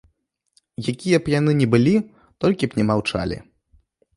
Якія б яны не былі, толькі б не маўчалі.